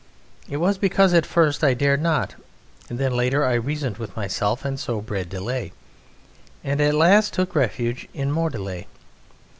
It was because at first I dared not, then later I reasoned with myself, and so bred delay, and at last took refuge in more delay.